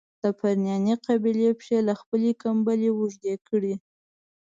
د پرنیاني قبیلې پښې له خپلي کمبلي اوږدې کړي.